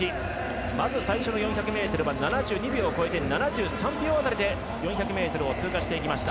まず最初の４００ｍは７２秒を超えて７３秒辺りで４００ｍを通過していきました。